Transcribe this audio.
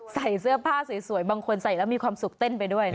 ใส่เสื้อผ้าสวยบางคนใส่แล้วมีความสุขเต้นไปด้วยนะ